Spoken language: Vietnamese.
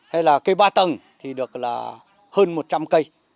hay là cây ba tầng thì được là hơn một trăm linh cây